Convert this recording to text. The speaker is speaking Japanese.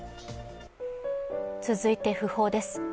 続いて、訃報です。